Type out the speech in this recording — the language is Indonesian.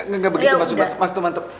gak begitu mas mas itu mantep